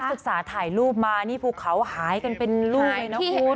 นักศึกษาถ่ายรูปมานี่พูดเขาหายกันเป็นรูปนะคุณ